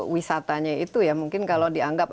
wisatanya itu ya mungkin kalau dianggap